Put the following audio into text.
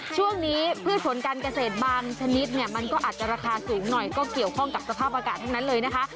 พืชผลการเกษตรบางชนิดเนี่ยมันก็อาจจะราคาสูงหน่อยก็เกี่ยวข้องกับสภาพอากาศทั้งนั้นเลยนะคะ